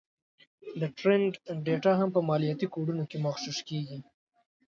د ټرینډ ډېټا هم په مالياتي کوډونو کې مغشوش کېږي